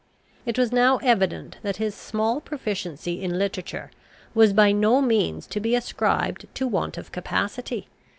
It was now evident that his small proficiency in literature was by no means to be ascribed to want of capacity.